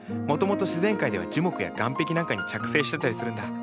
もともと自然界では樹木や岩壁なんかに着生してたりするんだ。